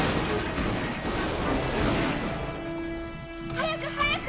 早く早く！